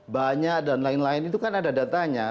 banyak dan lain lain itu kan ada datanya